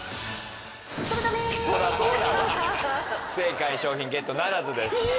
不正解賞品ゲットならずです。